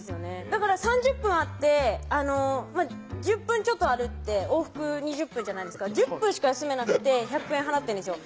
だから３０分あって１０分ちょっと歩いて往復２０分じゃないですか１０分しか休めなくて１００円払ってるんですよ